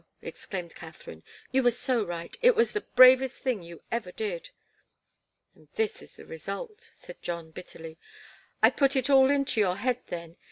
exclaimed Katharine. "You were so right. It was the bravest thing you ever did!" "And this is the result," said John, bitterly. "I put it all into your head then.